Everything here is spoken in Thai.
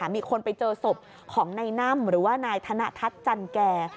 มีคนไปเจอศพของนายน่ำหรือว่านายธนทัศน์จันแก่